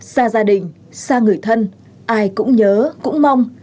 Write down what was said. xa gia đình xa người thân ai cũng nhớ cũng mong